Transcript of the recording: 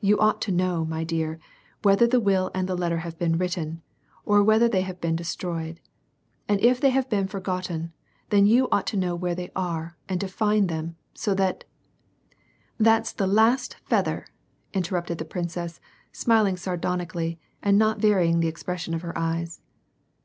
You ought to know, my dear, whether the will and the letter have been written, or whether they have been destroyed. And if they have been forgotten, then you ought to know where they are and to lind them, so that "—" That's the last feather !" inter mpted the princess, smil ing sardonically and not varying the expression of her eyes.